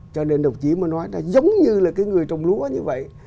cho nên đồng chí mà nói là giống như là cái người trồng lúa như vậy